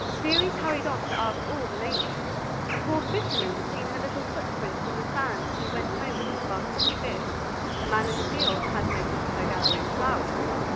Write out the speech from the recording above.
Ceres hurried off to ask all the neighbors. A poor fisherman had seen her little footprints in the sand as he went home with his basket of fish. A man in the fields had noticed her gathering flowers.